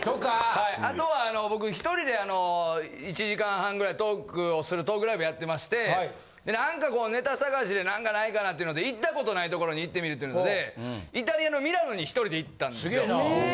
あとは僕一人で、１時間半ぐらいトークをする、トークライブやってまして、なんかネタ探しで、なんかないかなっていうので、行ったことないとこに行ってみるっていうので、イタリアのミラノに１人で行ったんですよ。